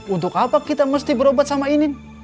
untuk apa kita mesti berobat sama ini